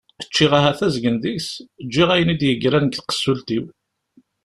Ččiɣ ahat azgen deg-s, ǧǧiɣ ayen i d-yegran deg tqessult-iw.